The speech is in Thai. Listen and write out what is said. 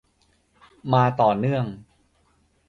มาต่อเนื่อง